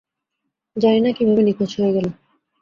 জানি না কীভাবে নিখোঁজ হয়ে গেল।